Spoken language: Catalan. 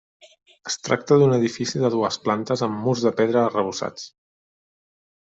Es tracta d'un edifici de dues plates amb murs de pedra arrebossats.